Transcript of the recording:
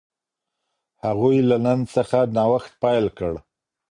هغوی له نن څخه نوښت پیل کړ.